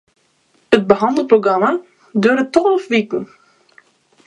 It behannelprogramma duorret tolve wiken.